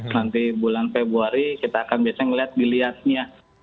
nanti bulan februari kita akan biasanya melihat dilihatnya